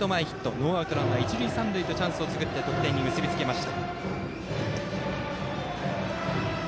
ノーアウトランナー、一塁三塁とチャンスを作って得点に結びつけました。